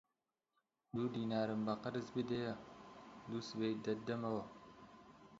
دوو دینارم بە قەرز بدەیە، دووسبەی دەتدەمەوە